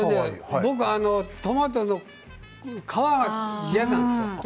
僕はトマトの皮が嫌なんですよ。